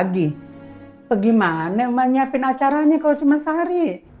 gimana emak nyiapin acaranya kalau cuma sehari